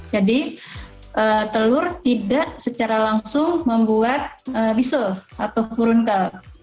jadi telur tidak secara langsung membuat bisul atau kurunkel